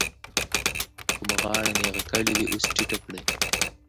که مو غاړه نېغه کړې وي اوس ټیټه کړئ.